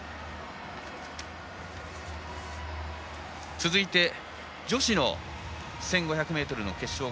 続いて女子の１５００ｍの決勝。